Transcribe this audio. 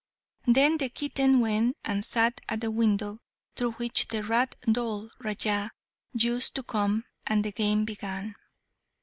Then the kitten went and sat at the window through which the rat Dhol Raja used to come, and the game began.